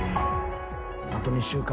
あと２週間。